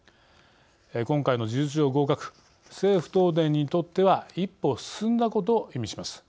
今回の事実上合格政府・東電にとっては一歩進んだことを意味します。